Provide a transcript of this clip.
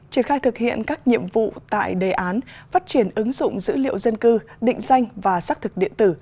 triển khai thực hiện các nhiệm vụ tại đề án phát triển ứng dụng dữ liệu dân cư định danh và xác thực điện tử